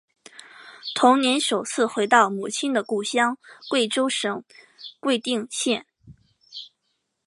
同年首次回到母亲的故乡贵州省贵定县。